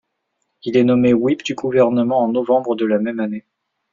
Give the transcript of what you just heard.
Il est nommé whip du gouvernement en novembre de la même année.